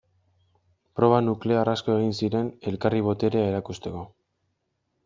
Proba nuklear asko egin ziren elkarri boterea erakusteko.